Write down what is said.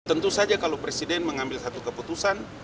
tentu saja kalau presiden mengambil satu keputusan